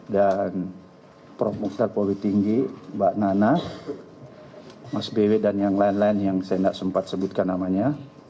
dan prof mokhtar pohi tinggi mbak nana mas bewe dan yang lain lain yang saya tidak sempat sebutkan namanya